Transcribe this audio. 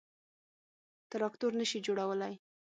_تراکتور نه شي جوړولای.